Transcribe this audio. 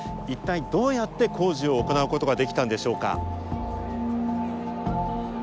一体どうやって工事を行うことができたのでしょうか。